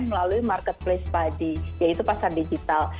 melalui marketplace padi yaitu pasar digital